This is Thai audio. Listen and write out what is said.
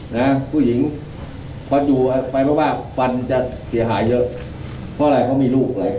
แม่ก็จะออดแอร์ไปฟันก็จะหายไปเรื่อย